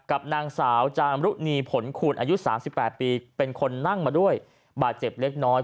กับนางสาวจามรุหนีผลขุนอายุสามสิบแปดปีเป็นคนนั่งมาด้วยบาดเจ็บเล็กน้อย